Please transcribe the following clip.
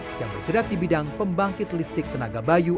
usahaan yang bergerak di bidang pembangkit listik tenaga bayu